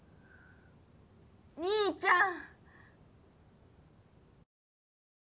・兄ちゃん。